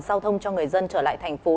sau thông cho người dân trở lại thành phố